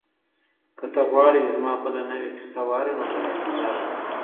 که ته غواړې چې زما بله نوې کیسه واورې نو لږ انتظار وکړه.